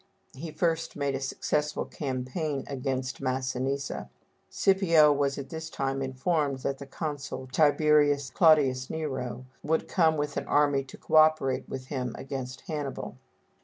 He first made a successful campaign against Massinissa. Scipio was at this time informed that the consul Tib. Claudius Nero would come with an army to co operate with him against Hannibal.